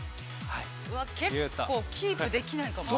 ◆結構キープできないかも。